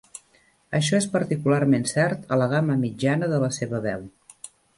Això és particularment cert a la gamma mitjana de la seva veu.